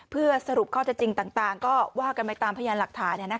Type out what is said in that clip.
เพื่อสรุปข้อจดจริงต่างก็ว่ากันไปตามพยานหลักฐานเนี่ยนะคะ